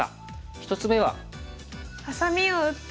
１つ目は。